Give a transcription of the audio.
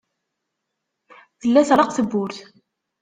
Tella teɣleq tewwurt.